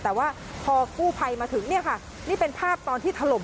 แต่ว่าพอกู้ภัยมาถึงเนี่ยค่ะนี่เป็นภาพตอนที่ถล่ม